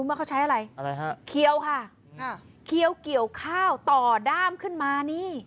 เมื่อเขาใช้อะไรอะไรฮะเคี้ยวค่ะเคี้ยวเกี่ยวข้าวต่อด้ามขึ้นมานี่